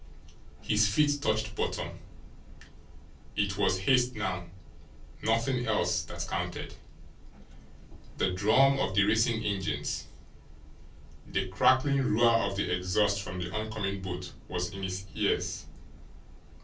His feet touched bottom. It was haste now, nothing else, that counted. The drum of the racing engines, the crackling roar of the exhaust from the oncoming boat was in his ears.